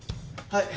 はい！